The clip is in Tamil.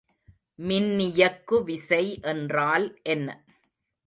மின்னியக்குவிசை என்றால் என்ன?